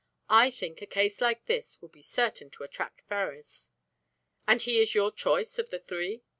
I think a case like this will be certain to attract Ferrars." "And he is your choice of the three?"